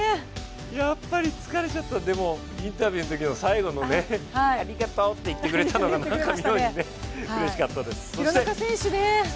やっぱり疲れちゃった、でもインタビューの最後の「ありがとう」って言ってくれたのがなんか妙にうれしかったです。